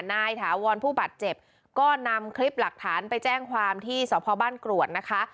ถาวรผู้บาดเจ็บก็นำคลิปหลักฐานไปแจ้งความที่สพบ้านกรวดนะคะ